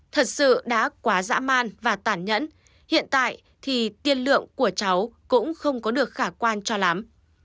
thật sự đã quá dã man và tản nhẫn hiện tại thì tiên lượng của cháu cũng không có được khả quan cho lắm